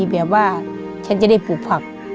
แบบว่าฉันจะได้ปลูกผัก